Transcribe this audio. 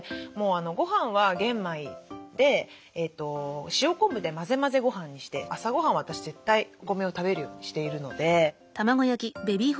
ごはんは玄米で塩昆布で混ぜ混ぜごはんにして朝ごはんは私絶対お米を食べるようにしているので。